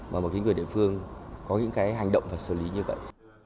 và một cái người địa phương có những cái hành động và xử lý như vậy